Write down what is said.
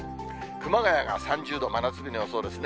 熊谷が３０度、真夏日の予想ですね。